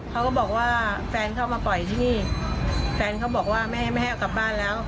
เขาก็บอกว่าแฟนเข้ามาปล่อยที่นี่แฟนเขาบอกว่าไม่ให้ไม่ให้เอากลับบ้านแล้ว